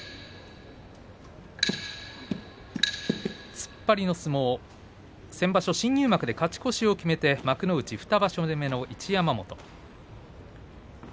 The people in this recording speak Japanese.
突っ張りの相撲先場所、新入幕で勝ち越しを決めて幕内２場所目の一山本。